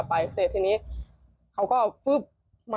มันกายรม